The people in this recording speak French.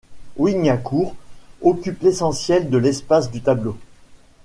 Wignacourt occupe l'essentiel de l'espace du tableau.